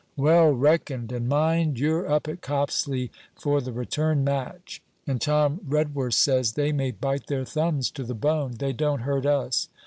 'Well reckoned; and mind you're up at Copsley for the return match. And Tom Redworth says, they may bite their thumbs to the bone they don't hurt us.